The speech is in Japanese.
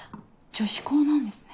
女子校なんですね。